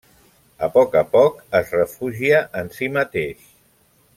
A poc a poc es refugia en si mateix.